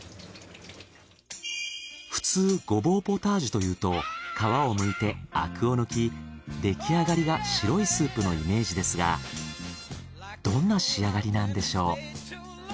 普通ゴボウポタージュというと皮を剥いてアクを抜きできあがりが白いスープのイメージですがどんな仕上がりなんでしょう？